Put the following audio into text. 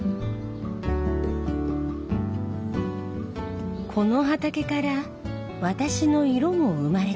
この畑から私の色も生まれている。